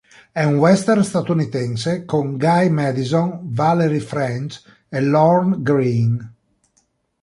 È un western statunitense con Guy Madison, Valerie French e Lorne Greene.